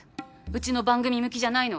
うちの番組向きじゃないのは。